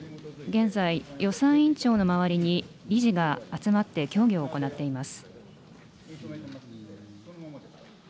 現在、予算委員長の周りに理事が集まって協議を行っています。